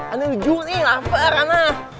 anak jujur nih lapar anak